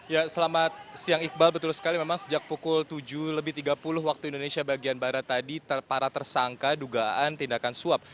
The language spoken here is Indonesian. ya selamat siang iqbal betul sekali memang sejak pukul tujuh lebih tiga puluh waktu indonesia bagian barat tadi para tersangka dugaan tindakan suap